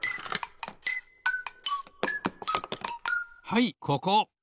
はいここ。